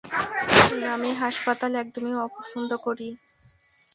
আমি হাসপাতাল একদমই অপছন্দ করি।